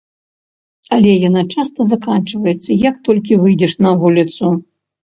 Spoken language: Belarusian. Але яна часта заканчваецца, як толькі выйдзеш на вуліцу.